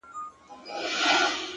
او ستا اوښکي د زم زم څو مرغلري!